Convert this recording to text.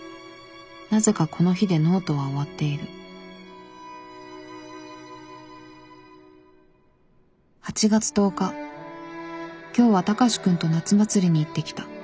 なぜかこの日でノートは終わっている「８月１０日今日は高志くんと夏祭りに行ってきた。